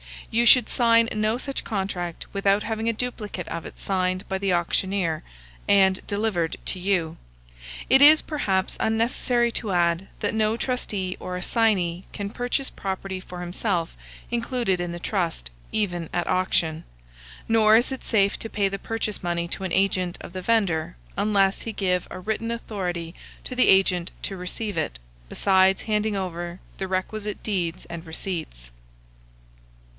You should sign no such contract without having a duplicate of it signed by the auctioneer, and delivered to you. It is, perhaps, unnecessary to add, that no trustee or assignee can purchase property for himself included in the trust, even at auction; nor is it safe to pay the purchase money to an agent of the vendor, unless he give a written authority to the agent to receive it, besides handing over the requisite deeds and receipts.